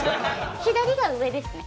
左が上ですね。